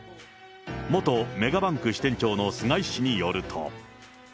元メガバンク支店長の菅井氏によると。